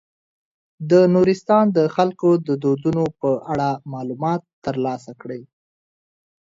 د نورستان د خلکو د دودونو په اړه معلومات تر لاسه کړئ.